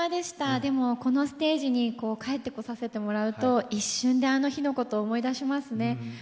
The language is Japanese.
でも、このステージに帰ってこさせてもらうと一瞬であの日のことを思い出しますね。